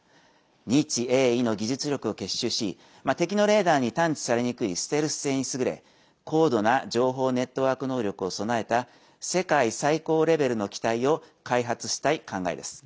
日英伊の技術力を結集し敵のレーダーに探知されにくいステルス性に優れ高度な情報ネットワーク能力を備えた世界最高レベルの機体を開発したい考えです。